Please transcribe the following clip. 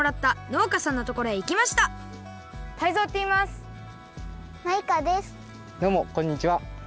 どうもこんにちは。